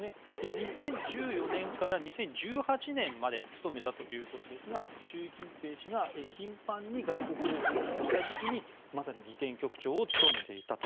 ２０１４年から２０１８年まで務めたということですが習近平氏が頻繁に外国を訪問した時期にまさに儀典局長を務めていたと。